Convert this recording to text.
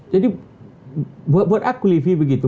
jadi buat aku livi begitu